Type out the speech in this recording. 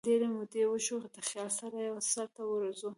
ډیري مودې وشوي دخیال سره یې سرته ورځو